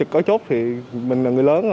có chốt thì mình là người lớn